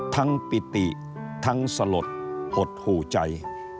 ปิติทั้งสลดหดหู่ใจ